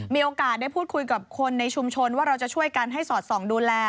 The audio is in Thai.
มีโอกาสได้พูดคุยกับคนในชุมชนว่าเราจะช่วยกันให้สอดส่องดูแล